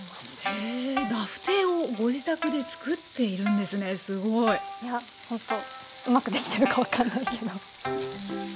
へえラフテーをご自宅で作っているんですねすごい。いやほんとうまくできてるか分かんないけど。